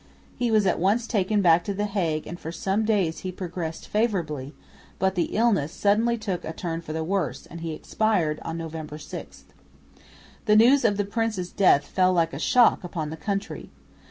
He was at once taken back to the Hague and for some days he progressed favourably, but the illness suddenly took a turn for the worse and he expired on November 6. The news of the prince's death fell like a shock upon the country.